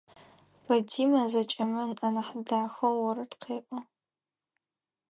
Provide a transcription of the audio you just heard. Фатима зэкӏэмэ анахь дахэу орэд къеӏо.